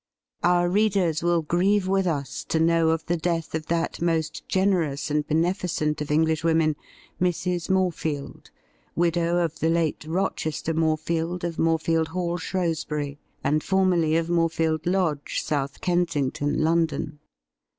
' Our readers will grieve with us to know of the death of that most generous and beneficent of Englishwomen, Mrs. Morefield, widow of the late Rochester Morefield, of Morefield Hall, Shrewsbury, and formerly of Morefield Lodge, South Kensington, London.